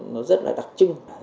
nó rất là đặc trưng